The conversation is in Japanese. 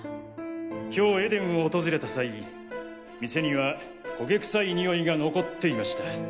今日ＥＤＥＮを訪れた際店には焦げ臭いニオイが残っていました。